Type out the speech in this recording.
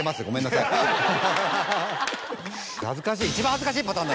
恥ずかしい。